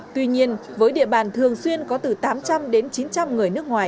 tuy nhiên với địa bàn thường xuyên có từ tám trăm linh đến chín trăm linh người nước ngoài